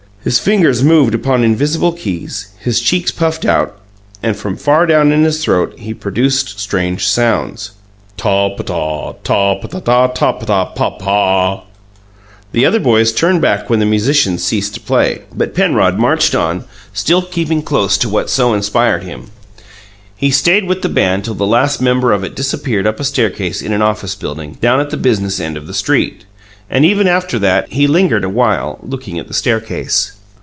His fingers moved upon invisible keys, his cheeks puffed out, and, from far down in his throat, he produced strange sounds: "Taw, p'taw p'taw! Taw, p'taw p'taw! PAW!" The other boys turned back when the musicians ceased to play, but Penrod marched on, still keeping close to what so inspired him. He stayed with the band till the last member of it disappeared up a staircase in an office building, down at the business end of the street; and even after that he lingered a while, looking at the staircase.